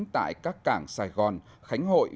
tại các cảng sài gòn khánh hội